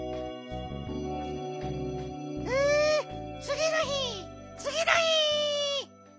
つぎのひつぎのひ！